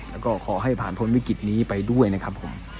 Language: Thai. แล้วก็ขอให้ผ่านพ้นวิกฤตนี้ไปด้วยนะครับผม